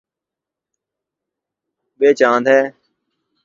یے چاند ہے